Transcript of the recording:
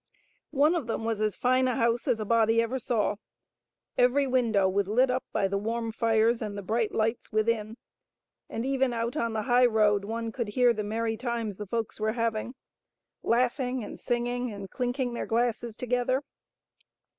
One of them was as fine a house as a body ever saw. Every wmdow was lit up by the warm fires and the bright lights within, and even out on the high road one could hear the merry times the folks were having ; laugh ing and singing and clinking theJr glasses together.